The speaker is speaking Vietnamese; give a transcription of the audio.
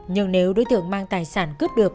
nhưng nếu đối tượng mang tài sản cướp được